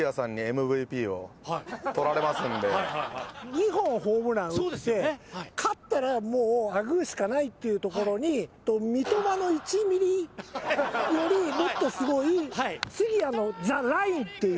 ２本ホームラン打って勝ったらもうアグーしかないっていうところに三笘の１ミリよりもっとすごい杉谷のザ・ラインっていう。